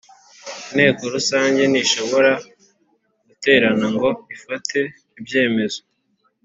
Inteko Rusange ntishobora guterana ngo ifate ibyemezo